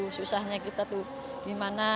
bahwa kita sudah berusaha kita tuh gimana